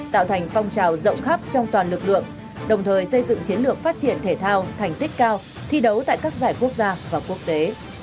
tạo thành phong trào rộng khắp trong toàn lực lượng đồng thời xây dựng chiến lược phát triển thể thao thành tích cao thi đấu tại các giải quốc gia và quốc tế